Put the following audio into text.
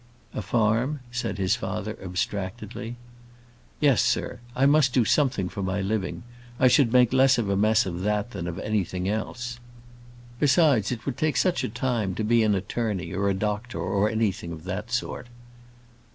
"A farm?" said the father, abstractedly. "Yes, sir. I must do something for my living. I should make less of a mess of that than of anything else. Besides, it would take such a time to be an attorney, or a doctor, or anything of that sort."